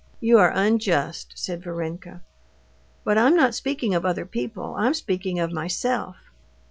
"You are unjust," said Varenka. "But I'm not speaking of other people, I'm speaking of myself."